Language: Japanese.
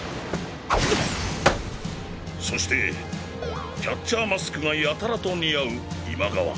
そしてキャッチャーマスクがやたらと似合う今川。